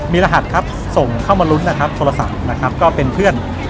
มีรหัสครับส่งเข้ามาลุ้นนะครับโทรศัพท์นะครับก็เป็นเพื่อน